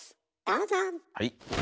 どうぞ。